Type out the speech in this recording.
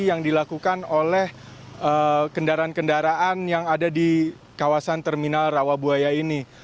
yang dilakukan oleh kendaraan kendaraan yang ada di kawasan terminal rawabuaya ini